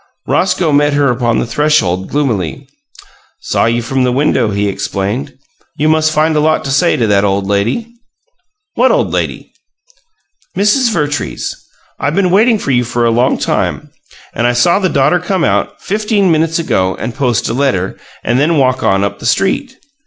Roscoe met her upon the threshold, gloomily. "Saw you from the window," he explained. "You must find a lot to say to that old lady." "What old lady?" "Mrs. Vertrees. I been waiting for you a long time, and I saw the daughter come out, fifteen minutes ago, and post a letter, and then walk on up the street.